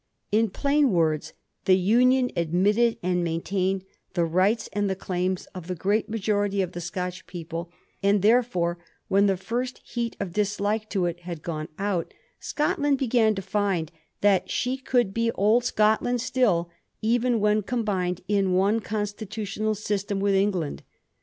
In plain words, the Union ^admitted and maintained the rights and the claims of the great majority of the Scotch people, and, there fore, when the first heat of dislike to it had gone out, Scotland began to find that she could be old Scotland still, even when combined in one constitutional system with England.